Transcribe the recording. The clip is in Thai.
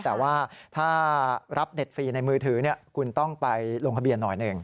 แต่ว่าถ้ารับเด็ดฟรีในมือถือคุณต้องไปลงทะเบียนหน่อยหนึ่ง